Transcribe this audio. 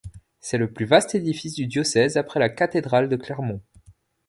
C'est le plus vaste édifice du diocèse après la cathédrale de Clermont.